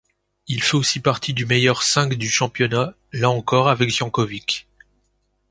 Il fait aussi partie du meilleur cinq du championnat, là encore avec Janković.